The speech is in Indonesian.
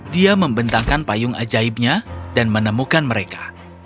dia membentangkan payung ajaibnya dan menemukan mereka